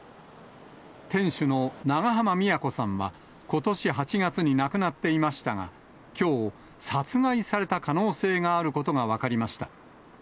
店主の長濱美也子さんはことし８月に亡くなっていましたが、きょう、殺害された可能性があることが分かりました。